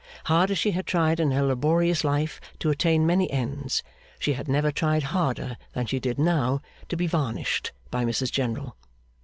Hard as she had tried in her laborious life to attain many ends, she had never tried harder than she did now, to be varnished by Mrs General.